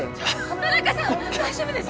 田中さん大丈夫ですか？